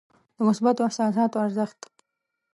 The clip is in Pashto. د مثبتو احساساتو ارزښت.